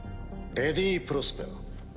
レディ・プロスペラ。